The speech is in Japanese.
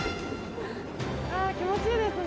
気持ちいいですね。